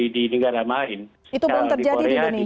di negara lain itu belum terjadi di